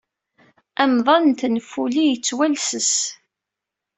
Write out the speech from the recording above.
Amḍan n tenfuli yettwalesses.